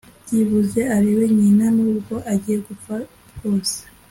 byibuze arebe nyina nubwo agiye gupfa bwose